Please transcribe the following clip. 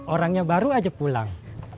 orangnya baru ajak pulang